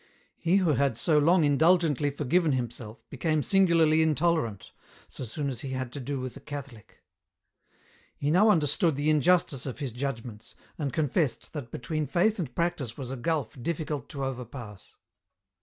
He who had so long indulgently forgiven himself became singularly intolerant, so soon as he had to do with a Catholic. He now understood the injustice of his judgments, and confessed that between faith and practice was a gulf difficult to overpass.